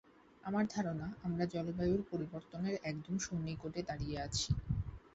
আমার ধারণা, আমরা জলবায়ুর পরিবর্তনের একদম সন্নিকটে দাঁড়িয়ে আছি।